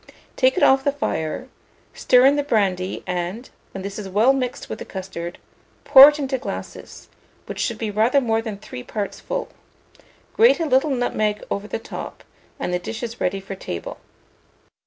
Take it off the fire, stir in the brandy, and, when this is well mixed with the custard, pour it into glasses, which should be rather more than three parts full; grate a little nutmeg over the top, and the dish is ready for table.